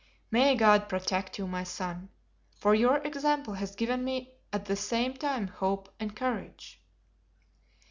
"May God protect you, my son; for your example has given me at the same time hope and courage."